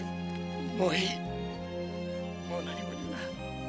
もういいもう何も言うな。